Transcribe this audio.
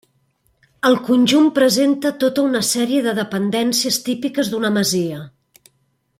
El conjunt presenta tota una sèrie de dependències típiques d'una masia.